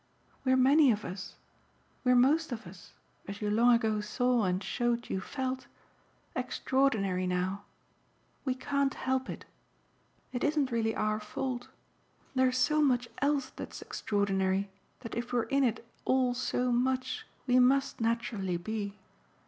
"We're many of us, we're most of us as you long ago saw and showed you felt extraordinary now. We can't help it. It isn't really our fault. There's so much else that's extraordinary that if we're in it all so much we must naturally be."